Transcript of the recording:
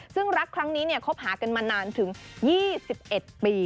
ซึ่งรักครั้งนี้คบหากันมานานถึง๒๑ปี